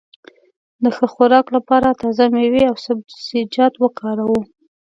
د ښه خوراک لپاره تازه مېوې او سبزيجات وکاروه.